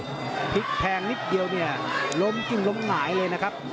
พลิกแทงนิดเดียวเนี่ยล้มกิ้งล้มหงายเลยนะครับ